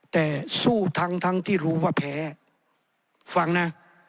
แต่สู้ทั้งทั้งที่รู้ว่าแพ้ฟังนะ